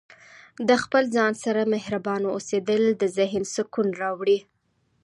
د خپل ځان سره مهربانه اوسیدل د ذهن سکون راوړي.